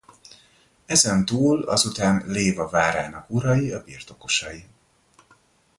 Ezen túl azután Léva várának urai a birtokosai.